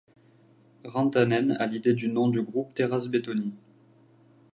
Rantanen a l'idée du nom du groupe Teräsbetoni.